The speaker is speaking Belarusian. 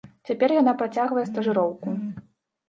Цяпер яна працягвае стажыроўку.